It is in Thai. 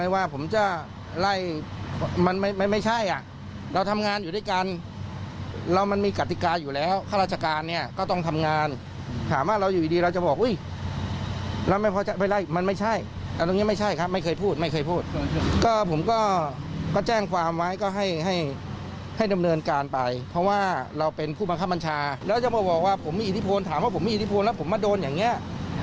ว่าเราเป็นผู้บังคับบัญชาแล้วจะมาบอกว่าผมไม่อิทธิพลถามว่าผมไม่อิทธิพลแล้วผมมาโดนอย่างเนี่ย